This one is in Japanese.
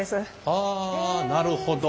はあなるほど。